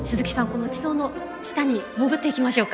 この地層の下に潜っていきましょうか。